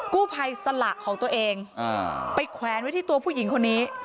กู้ภัยสละของตัวเองไปแขวนไว้ที่ตัวผู้หญิงคนนี้